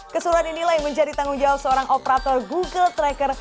keseruan inilah yang menjadi tanggung jawab seorang operator google tracker